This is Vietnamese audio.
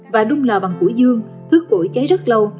và đung lò bằng củi dương thước củi cháy rất lâu